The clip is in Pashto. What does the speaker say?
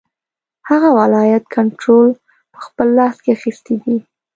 هغه ولایت کنټرول په خپل لاس کې اخیستی دی.